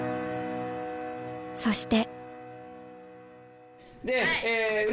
そして。